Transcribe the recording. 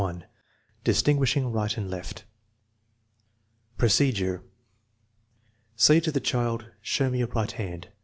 Distinguishing right and left Procedure. Say to the child: " Show me your right hand."